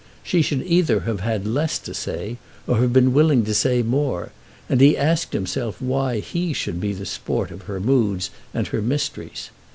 She should either have had less to say or have been willing to say more, and he asked himself why he should be the sport of her moods and her mysteries.